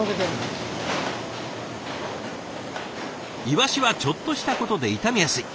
イワシはちょっとしたことで傷みやすい。